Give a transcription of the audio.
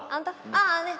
ああねえ